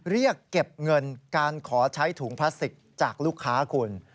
เรียกเก็บเงินการขอใช้ถุงพลาสติกจากลูกค้าคุณ